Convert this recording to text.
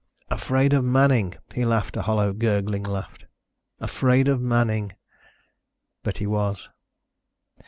Afraid of Manning! He laughed, a hollow, gurgling laugh. Afraid of Manning! But he was.